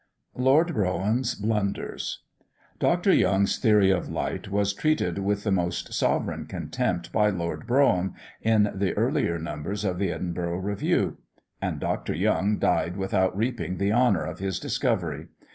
LORD BROUGHAM'S BLUNDERS. Dr. Young's theory of light was treated with the most sovereign contempt by Lord Brougham, in the earlier numbers of the Edinburgh Review; and Dr. Young died without reaping the honour of his discovery.